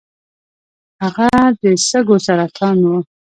هغه د سږو سرطان و .